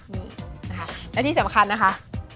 แล้วที่สำคัญนะคะ